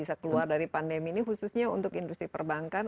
bisa keluar dari pandemi ini khususnya untuk industri perbankan